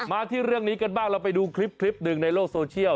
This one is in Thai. มาที่เรื่องนี้กันบ้างเราไปดูคลิปหนึ่งในโลกโซเชียล